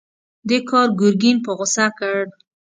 دې کار ګرګين په غوسه کړ.